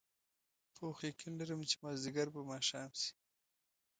پوخ یقین لرم چې مازدیګر به ماښام شي.